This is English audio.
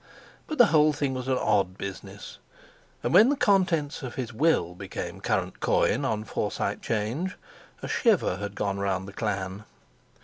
But the whole thing was an odd business, and when the contents of his Will became current coin on Forsyte 'Change, a shiver had gone round the clan.